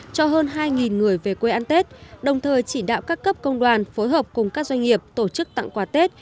cho hơn hai người về quê ăn tết đồng thời chỉ đạo các cấp công đoàn phối hợp cùng các doanh nghiệp tổ chức tặng quà tết